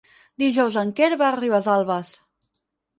Dijous en Quer va a Ribesalbes.